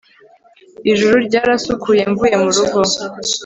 ijuru ryarasukuye mvuye murugo